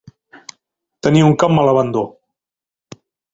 Tenir un camp a l'abandó.